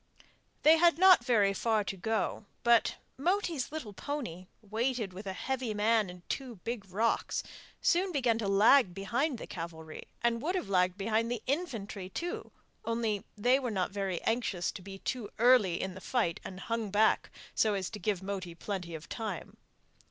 They had not very far to go, but Moti's little pony, weighted with a heavy man and two big rocks, soon began to lag behind the cavalry, and would have lagged behind the infantry too, only they were not very anxious to be too early in the fight, and hung back so as to give Moti plenty of time.